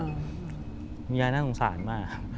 คุณยายน่าสงสารมาก